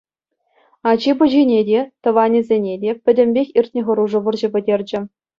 Ачи-пӑчине те, тӑванӗсене те — пӗтӗмпех иртнӗ хӑрушӑ вӑрҫӑ пӗтерчӗ.